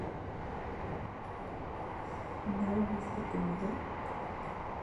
¿no hubiste comido?